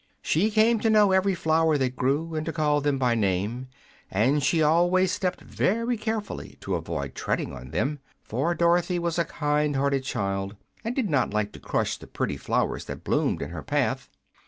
She came to know every flower that grew, and to call them by name, and she always stepped very carefully to avoid treading on them, for Dorothy was a kind hearted child and did not like to crush the pretty flowers that bloomed in her path.